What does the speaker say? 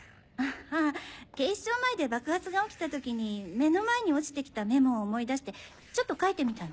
あぁ警視庁前で爆発が起きた時に目の前に落ちてきたメモを思い出してちょっと書いてみたの。